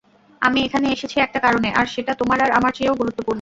আমি এখানে এসেছি একটা কারণে, আর সেটা তোমার আর আমার চেয়েও গুরুত্বপূর্ণ।